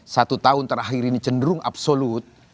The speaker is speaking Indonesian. satu tahun terakhir ini cenderung absolut